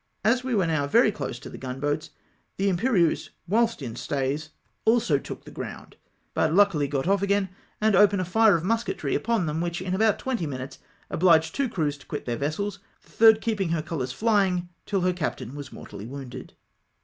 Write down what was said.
As we were now very close to the gunboats, the Imperieuse, whilst in stays, also took the ground, but luckily got off again, and opened a fire of musketry upon them, which, in about twenty minutes, obhged two crews to quit the vessels, the tlikd keeping her colours flying till her captain was mortally wounded.